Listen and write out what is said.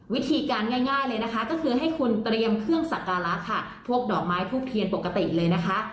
วิธีการง่ายเลยนะคะก็คือให้คุณเตรียมเครื่องสักการะค่ะพวกดอกไม้ทูบเทียนปกติเลยนะคะ